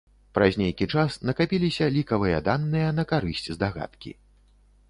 Праз нейкі час накапіліся лікавыя даныя на карысць здагадкі.